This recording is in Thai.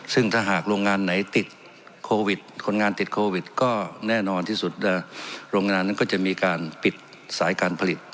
ซึ่งถ้าหากโรงงานไหนติดโควิดคนงานติดโควิดก็แน่นอนที่สุดโรงงานนั้นก็จะมีการปิดสายการผลิต